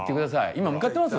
今向かってます？